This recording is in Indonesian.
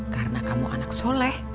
karena kamu anak soleh